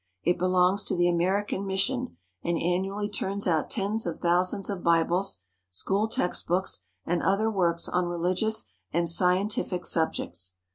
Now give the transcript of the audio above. It belongs to the American mission, and annually turns out tens of thousands of Bibles, school textbooks, and other works on religious and scientific subjects.